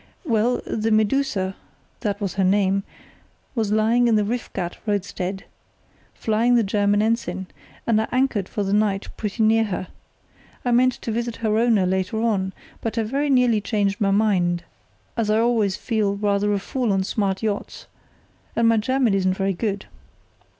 Well, the Medusa, that was her name, was lying in the Riff Gat roadstead, flying the German ensign, and I anchored for the night pretty near her. I meant to visit her owner later on, but I very nearly changed my mind, as I always feel rather a fool on smart yachts, and my German isn't very good.